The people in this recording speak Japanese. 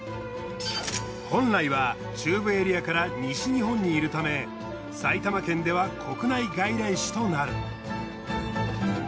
本来は中部エリアから西日本にいるため埼玉県では国内外来種となる。